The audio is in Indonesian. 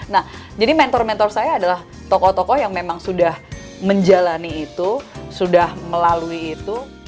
nah jadi mentor mentor saya adalah tokoh tokoh yang memang sudah menjalani itu sudah melalui itu